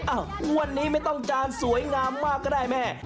งวดนี้ไม่ต้องจานสวยงามมากก็ได้แม่